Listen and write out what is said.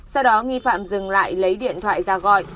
sau đó nghi phạm dừng lại lấy điện thoại ra gọi